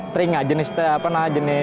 teringa jenis apa namanya